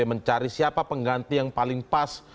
mencari siapa pengganti yang paling pas